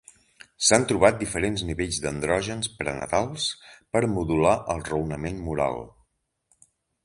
S'han trobat diferents nivells d'andrògens prenatals per modular el raonament moral.